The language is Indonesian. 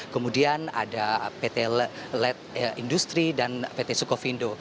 kemudian ada pt led industri dan pt sukovindo